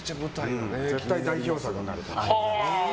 絶対、代表作になると思う。